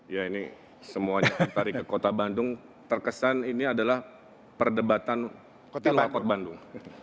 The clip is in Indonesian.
ya ini semuanya menarik ke kota bandung terkesan ini adalah perdebatan terlaku di bandung